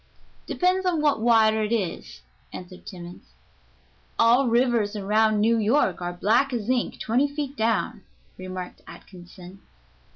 "Depends on what water it is," answered Timmans. "All rivers around New York are black as ink twenty feet down," remarked Atkinson.